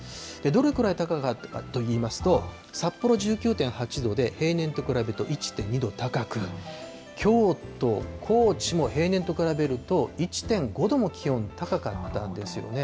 どれくらい高かったかといいますと、札幌１９．８度で、平年と比べると１．２度高く、京都、高知も平年と比べると１．５度も気温高かったんですよね。